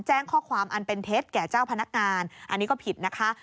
แจ้งข้อความอันเป็นเท็จแก่เจ้าพนักงานอันนี้ก็ผิดนะคะ